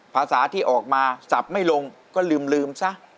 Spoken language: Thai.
ภาษาที่ออกมาสับไม่ลงก็ลืมซะ